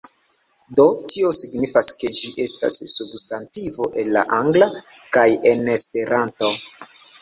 Do tio signifas ke ĝi estas substantivo en la Angla, kaj en Esperanto.